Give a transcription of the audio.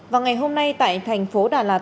và ngày hôm nay tại thành phố đà lạt